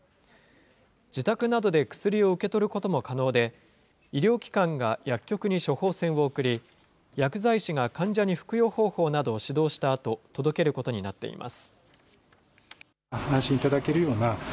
自宅などで薬を受け取ることも可能で、医療機関が薬局に処方箋を送り、薬剤師が患者に服用方法などを指導したあと、届けることになっています。